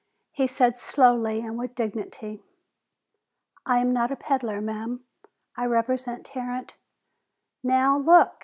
He said slowly and with dignity, "I am not a peddler, ma'am. I represent Tarrant " "Now, look!